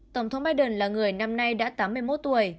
tổng thống biden là người năm nay đã tám mươi một tuổi